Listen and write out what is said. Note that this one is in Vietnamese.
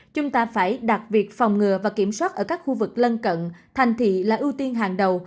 chúng ta phải đặt việc phòng ngừa và kiểm soát ở các khu vực lân cận thành thị là ưu tiên hàng đầu